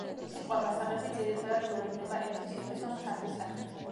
სიტყვა-გასაღები ძირითადად გვევლინება ერთი სიტყვის ან ფრაზის სახით.